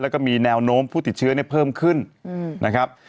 แล้วก็มีแนวโน้มผู้ติดเชื้อเพิ่มขึ้นนะครับ